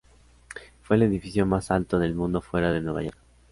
Fue el edificio más alto del mundo fuera de Nueva York.